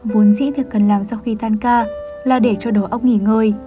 vốn dĩ việc cần làm sau khi tan ca là để cho đồ óc nghỉ ngơi